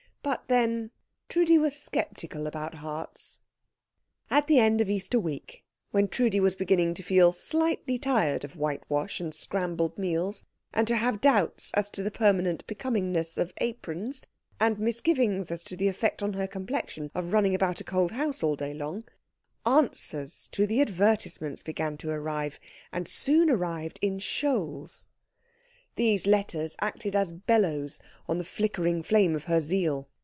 But then Trudi was sceptical about hearts. At the end of Easter week, when Trudi was beginning to feel slightly tired of whitewash and scrambled meals, and to have doubts as to the permanent becomingness of aprons, and misgivings as to the effect on her complexion of running about a cold house all day long, answers to the advertisements began to arrive, and soon arrived in shoals. These letters acted as bellows on the flickering flame of her zeal.